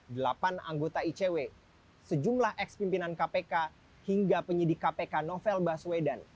delapan anggota icw sejumlah ex pimpinan kpk hingga penyidik kpk novel baswedan